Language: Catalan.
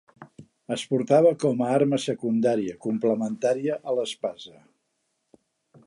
Es portava com a arma secundària, complementària a l'espasa.